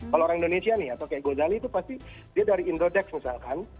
kalau orang indonesia nih atau kayak gozali itu pasti dia dari indodex misalkan